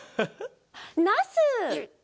なす！